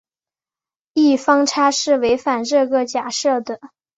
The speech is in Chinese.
异方差是违反这个假设的。